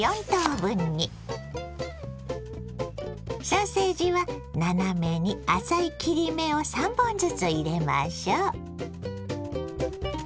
ソーセージは斜めに浅い切り目を３本ずつ入れましょ。